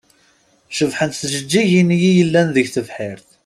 Cebḥent tjeǧǧigin-nni i yellan deg tebḥirt.